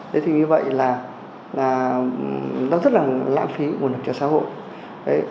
thế thì như vậy là nó rất là lãng phí của lực trợ xã hội